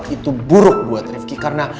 itu buruk buat rifki karena